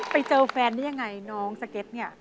ไปเจอแฟนได้ยังไงน้องสเก็ตเนี่ย